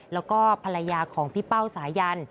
แล้วก็ภรรยาของพี่เป้าสายัน